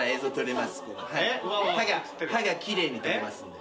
歯が奇麗に撮れますんで。